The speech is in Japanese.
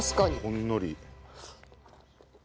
ほんのり。